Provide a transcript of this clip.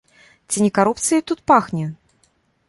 Ці не карупцыяй тут пахне?